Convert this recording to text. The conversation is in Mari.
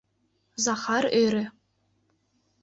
— Захар ӧрӧ.